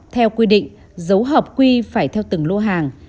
theo quy định dấu hợp quy phải theo từng lô hàng